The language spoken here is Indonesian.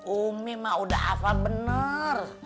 umi mah udah hafal bener